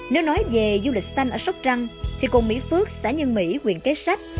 nếu nói về du lịch xanh ở sóc trăng thì cồn mỹ phước xã nhân mỹ quyền kế sách